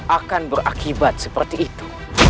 akan berakibat seperti itu